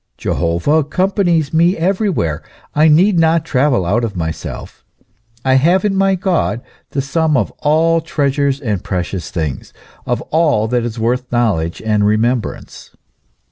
Jehovah accompanies me everywhere ; I need not travel out of myself; I have in my God the sum of all treasures and precious things, of all that is worth knowledge and remembrance.